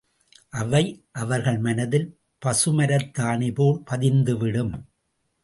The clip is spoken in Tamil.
அவை அவர்கள் மனத்தில் பசு மரத்தாணிபோல் பதிந்துவிடும்.